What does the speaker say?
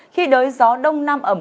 khi đới gió đông nam ẩm